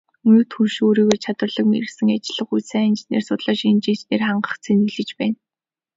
Өмнөд хөрш өөрийгөө чадварлаг мэргэшсэн ажиллах хүч, сайн менежер, судлаач, шинжээчдээр хангаж цэнэглэж байна.